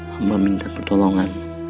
hamba minta pertolongan